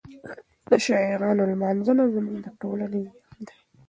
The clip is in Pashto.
د شاعرانو لمانځنه زموږ د ټولنې ویاړ دی.